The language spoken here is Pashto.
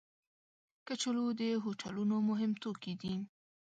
کچالو د هوټلونو مهم توکي دي